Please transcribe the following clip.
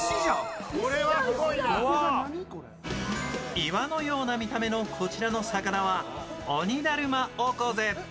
岩のような見た目のこちらの魚はオニダルマオコゼ。